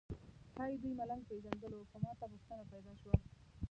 ښایي دوی ملنګ پېژندلو خو ماته پوښتنه پیدا شوه.